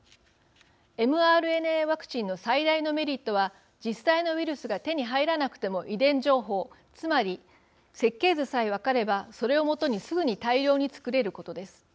ｍＲＮＡワクチンの最大のメリットは実際のウイルスが手に入らなくても、遺伝情報つまり、設計図さえ分かればそれを基に、すぐに大量に作れることです。